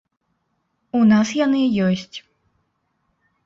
У нас яны ёсць.